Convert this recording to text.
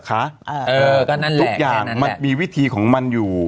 เออก็นั่นแหละแม้นั่นแหละแสดงทุกอย่างมันมีวิธีของมันอยู่